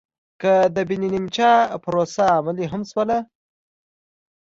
که د بن نیمچه پروسه عملي هم شوله